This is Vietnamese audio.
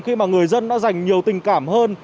khi mà người dân đã dành nhiều tình cảm hơn